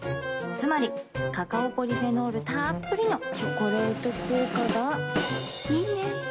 つまりカカオポリフェノールたっぷりの「チョコレート効果」がいいね。